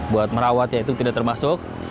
buat merawat ya itu tidak termasuk